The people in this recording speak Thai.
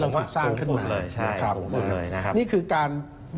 เราก็ถูกสร้างขึ้นมานะครับสูงขึ้นเลยนะครับใช่สูงขึ้นเลย